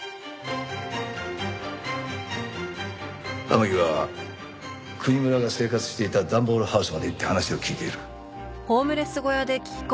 天樹は国村が生活していた段ボールハウスまで行って話を聞いている。